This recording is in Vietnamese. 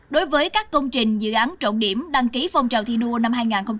đối với các công trình dự án trọng điểm đăng ký phong trào thi đua năm hai nghìn hai mươi